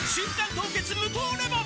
凍結無糖レモン」